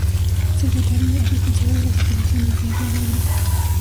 Secretaría: Responsable de las operaciones día a día del grupo.